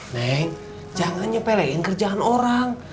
neng jangan nyepelein kerjaan orang